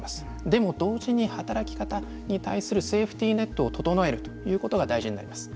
でも同時に働き方に対するセーフティーネットを整えるということが大事になります。